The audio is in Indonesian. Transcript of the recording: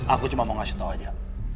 aku cuma mau kasih tahu aja